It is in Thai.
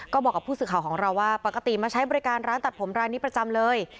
ก็บอกกับผู้สื่อข่าวของเราว่าปกติมาใช้บริการร้านตัดผมร้านนี้ประจำเลย